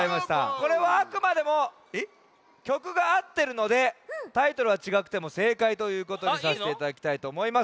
これはあくまでもきょくがあってるのでタイトルはちがくてもせいかいということにさせていただきたいとおもいます。